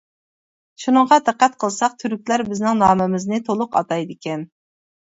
شۇنىڭغا دىققەت قىلساق تۈركلەر بىزنىڭ نامىمىزنى تولۇق ئاتايدىكەن!